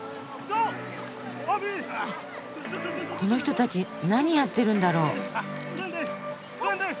この人たち何やってるんだろう？